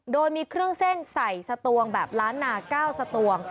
โดยมีเครื่องเส้นใส่สตวงแบบล้านนา๙สตวง